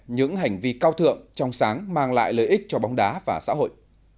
những hành vi cao thượng trong sáng mang lại lợi ích cho bóng đá và xã hội